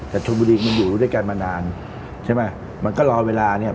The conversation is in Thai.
แต่ชนบุรีมันอยู่ด้วยกันมานานใช่ไหมมันก็รอเวลาเนี่ย